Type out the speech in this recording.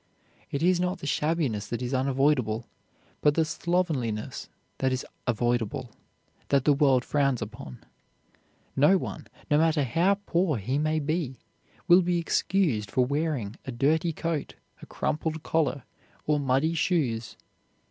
It is not the shabbiness that is unavoidable, but the slovenliness that is avoidable, that the world frowns upon. No one, no matter how poor he may be, will be excused for wearing a dirty coat, a crumpled collar, or muddy shoes.